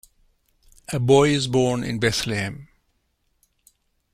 A boy is born in Bethlehem.